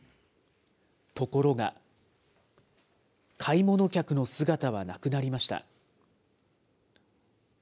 ところが、買い物客の姿はなくなりました。